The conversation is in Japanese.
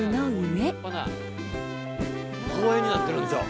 公園になってるんですよ。